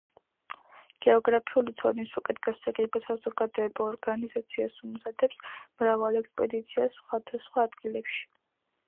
გეოგრაფიული ცოდნის უკეთ გასაგებად საზოგადოება ორგანიზაციას უმზადებს მრავალ ექსპედიციას სხვადასხვა ადგილებში.